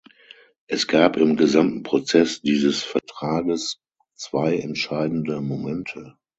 Es gab im gesamten Prozess dieses Vertrages zwei entscheidende Momente.